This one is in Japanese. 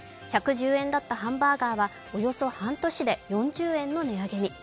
１１０円だったハンバーガーはおよそ半年で４０円の値上げに。